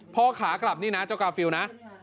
ขากลับนี่นะเจ้ากาฟิลนะ